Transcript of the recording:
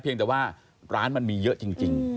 ยังแต่ว่าร้านมันมีเยอะจริง